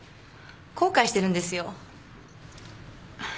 後悔してるんですよ。